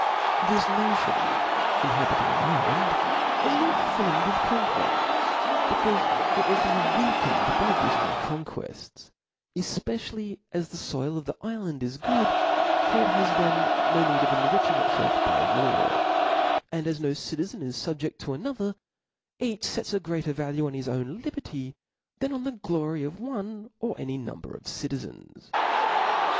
This nation inhabiung an ifland is not fond o( conquering, becaufe it would be weakened by di ftant conquefts : efpecially as the foil of the ifland is good ; for it has th^n no need of enriching it felf by war ; and as no citizen is fubjed to another, each fets a greater value on his ov^n liberty, than on the glory of one» or any number of citizens.